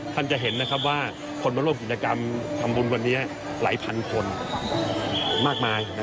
ท่านจะเห็นว่าคนมาร่วมกิจกรรมทำบุญวันนี้หลายพันคนมากมาย